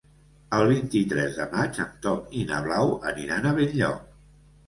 El vint-i-tres de maig en Tom i na Blau aniran a Benlloc.